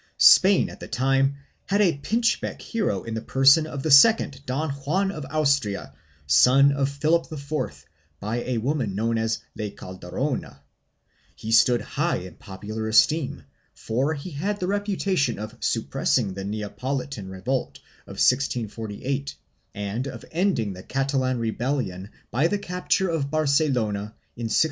Spain at the time had a pinchbeck hero in the person of the second Don Juari of Austria, son of Philip IV by a woman known as la Calderona; he stood high in popular esteem, for he had the reputation of suppressing the Neapolitan revolt of 1648 and of ending the Catalan rebellion by the capture of Barcelona in 1652.